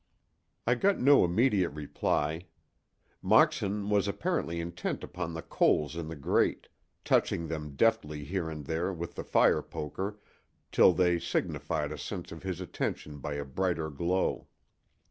I got no immediate reply; Moxon was apparently intent upon the coals in the grate, touching them deftly here and there with the fire poker till they signified a sense of his attention by a brighter glow.